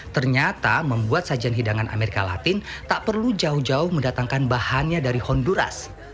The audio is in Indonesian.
ternyata membuat sajian hidangan amerika latin tak perlu jauh jauh mendatangkan bahannya dari honduras